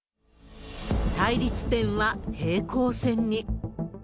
対立点は平行線に。